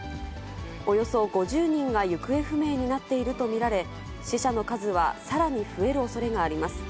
およそ５０人が行方不明になっていると見られ、死者の数はさらに増えるおそれがあります。